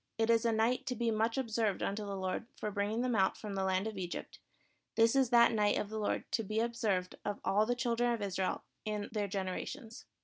It is a night to be much observed unto the Lord for bring ing them out from the land of Egypt; this is that night of the Lord to be observed of all the children of Israel in their generations.